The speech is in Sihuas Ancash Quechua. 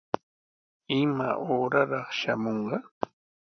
¿Imaya uuraraq shamunqa?